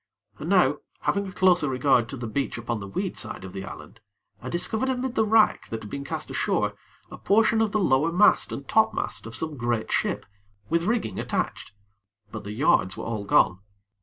And now, having a closer regard to the beach upon the weed side of the island, I discovered amid the wrack that had been cast ashore, a portion of the lower mast and topmast of some great ship, with rigging attached; but the yards were all gone.